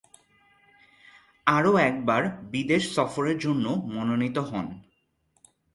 আরও একবার বিদেশ সফরের জন্য মনোনীত হন।